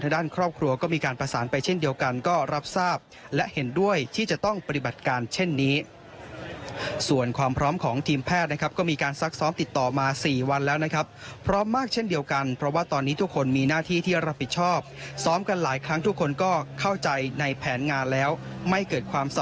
ด้านครอบครัวก็มีการประสานไปเช่นเดียวกันก็รับทราบและเห็นด้วยที่จะต้องปฏิบัติการเช่นนี้ส่วนความพร้อมของทีมแพทย์นะครับก็มีการซักซ้อมติดต่อมา๔วันแล้วนะครับพร้อมมากเช่นเดียวกันเพราะว่าตอนนี้ทุกคนมีหน้าที่ที่รับผิดชอบซ้อมกันหลายครั้งทุกคนก็เข้าใจในแผนงานแล้วไม่เกิดความส